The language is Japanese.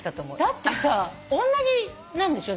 だってさおんなじなんでしょ？